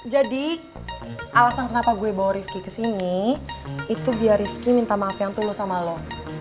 jadi alasan kenapa gue bawa rifki kesini itu biar rifki minta maaf yang tuh lu sama lo